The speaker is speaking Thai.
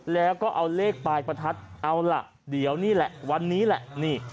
แล้วก็เอาเลขปลายประทัดเอาล่ะเดี๋ยวนี่แหละวันนี้แหละนี่